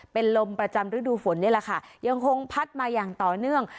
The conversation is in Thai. เป็นลมประจำฤดูฝนนี่แหละค่ะยังคงพัดมาอย่างต่อเนื่อง